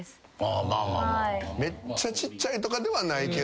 めっちゃちっちゃいとかではないけど。